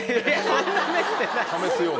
そんな目してない！